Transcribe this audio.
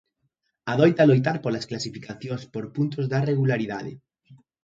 Adoita loitar polas clasificacións por puntos da regularidade.